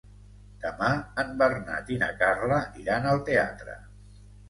Demà en Bernat i na Carla iran al teatre.